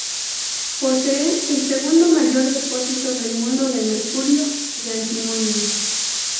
Posee el segundo mayor depósito del mundo de mercurio y antimonio.